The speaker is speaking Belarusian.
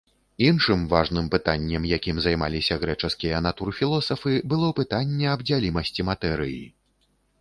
Іншым важным пытаннем, якім займаліся грэчаскія натурфілосафы, было пытанне аб дзялімасці матэрыі.